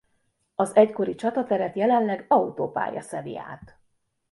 Az egykori csatateret jelenleg autópálya szeli át.